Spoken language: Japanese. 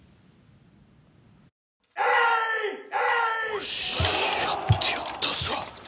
おしやってやったぞ。